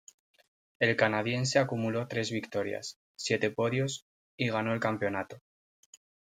El canadiense acumuló tres victorias, siete podios y ganó el campeonato.